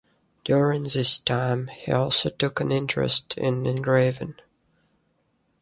During this time, he also took an interest in engraving.